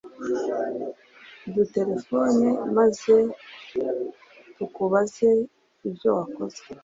uduterefone maze tukubaze ibyowakoze